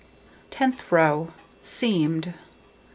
Tenth row: Seamed.